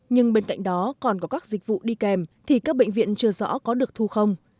nhưng bên cạnh đó còn có các dịch vụ đi kèm thì các bệnh viện chưa rõ có được thu không